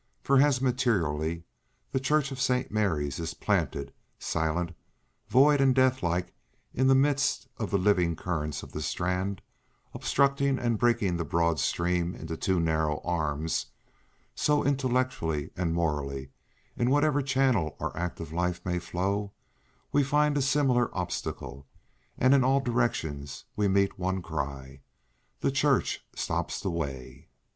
For as materially the Church of St. Mary is planted silent, void and death like in the midst of the living currents of the Strand, obstructing and breaking the broad stream into two narrow arms, so intellectually and morally, in whatever channel our active life may flow, we find a similar obstacle, and in all directions we meet one cry—"The Church stops the way."